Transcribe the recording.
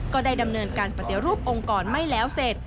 ก็ได้ดำเนินการปฏิรูปองค์กรไม่แล้วเสร็จ